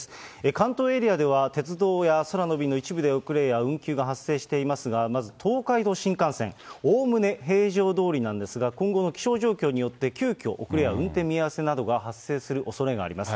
関東エリアでは鉄道や空の便の一部で遅れや運休が発生していますが、まず東海道新幹線、おおむね平常どおりなんですが、今後の気象状況によって急きょ、遅れや運転見合わせなどが発生するおそれがあります。